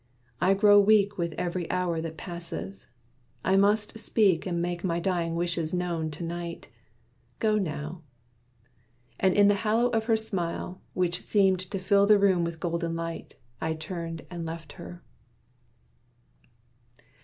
I grow weak With every hour that passes. I must speak And make my dying wishes known to night. Go now." And in the halo of her smile, Which seemed to fill the room with golden light, I turned and left her.